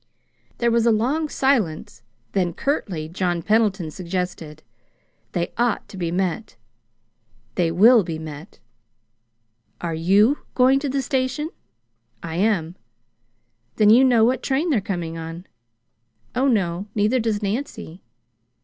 There was a long silence, then, curtly, John Pendleton suggested: "They ought to be met." "They will be met." "Are YOU going to the station?" "I am." "Then you know what train they're coming on." "Oh, no. Neither does Nancy."